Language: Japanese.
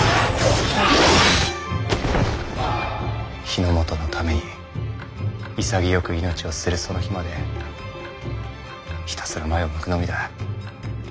日の本のために潔く命を捨てるその日までひたすら前を向くのみだ。